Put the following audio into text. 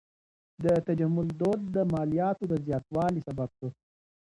د تجمل دود د مالیاتو د زیاتوالي سبب سو.